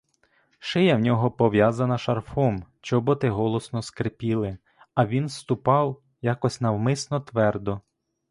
Шия в нього пов'язана шарфом, чоботи голосно скрипіли, а він ступав якось навмисно твердо.